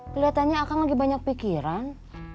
keliatannya akang lagi banyak pikiran